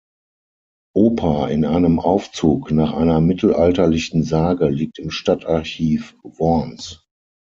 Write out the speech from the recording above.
Oper in einem Aufzug nach einer mittelalterlichen Sage" liegt im Stadtarchiv Worms.